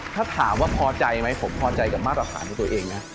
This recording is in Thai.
ถ้าถามว่าพอใจไหมผมพอใจกับมาตรฐานของตัวเองนะ